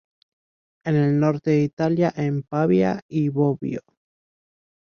En el norte de Italia, en Pavía y Bobbio.